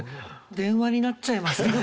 電話になっちゃいますね。